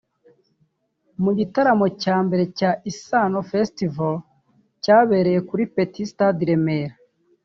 Mu gitaramo cya mbere cya Isaano Festival cyabereye kuri Petit Stade i Remera